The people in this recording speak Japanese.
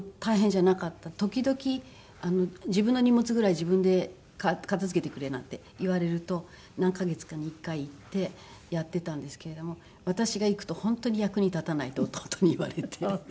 時々「自分の荷物ぐらい自分で片付けてくれ」なんて言われると何カ月かに１回行ってやってたんですけれども私が行くと「本当に役に立たない」と弟に言われて。